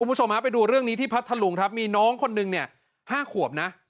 คุณผู้ชมไปดูเรื่องนี้ที่พัฒน์ถลุงครับมีน้องคนนึง๕ขวบนะ